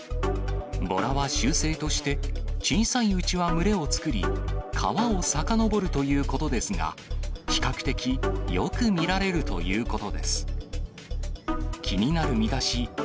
ボラは習性として、小さいうちは群れを作り、川をさかのぼるということですが、比較的よく見られるということです。